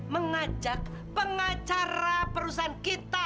mengajak pengacara perusahaan kita